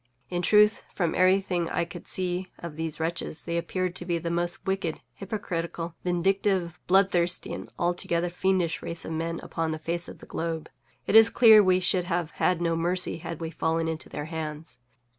In truth, from everything I could see of these wretches, they appeared to be the most wicked, hypocritical, vindictive, bloodthirsty, and altogether fiendish race of men upon the face of the globe. It is clear we should have had no mercy had we fallen into their hands.